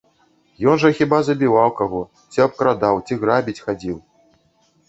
Ён жа хіба забіваў каго, ці абкрадаў, ці грабіць хадзіў?